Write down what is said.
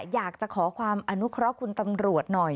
อยากจะขอความอนุเคราะห์คุณตำรวจหน่อย